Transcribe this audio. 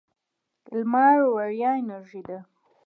لمر وړیا انرژي ده.